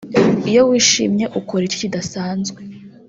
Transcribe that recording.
Iyo wishimye ukora iki kidasanzwe